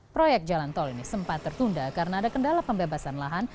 proyek jalan tol ini sempat tertunda karena ada kendala pembebasan lahan